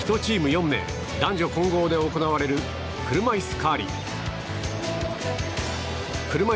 １チーム４名男女混合で行われる車いすカーリング。